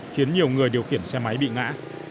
khiến nhiều người điều khiển xe máy bị ngã